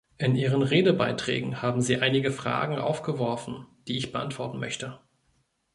In Ihren Redebeiträgen haben Sie einige Fragen aufgeworfen, die ich beantworten möchte.